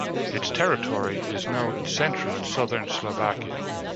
Its territory is now in central and southern Slovakia.